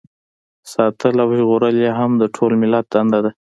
ساتل او ژغورل یې هم د ټول ملت دنده ده.